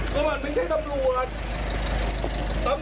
แล้วมาเดี๋ยวถ้าเขาไม่ลอเพราะว่ามันไม่ใช่สำรวจ